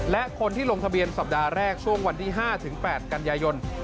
และคนที่ลงทะเบียนสัปดาห์แรกช่วงวันที่๕๘กันยายน